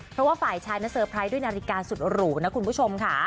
เพราะว่าฝ่ายชายนะเซอร์ไพรส์ด้วยนาฬิกาสุดหรูนะคุณผู้ชมค่ะ